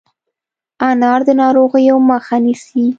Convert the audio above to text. انار د ناروغیو مخه نیسي.